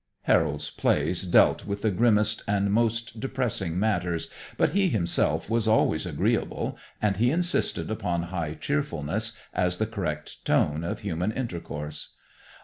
Harold's plays dealt with the grimmest and most depressing matters, but he himself was always agreeable, and he insisted upon high cheerfulness as the correct tone of human intercourse.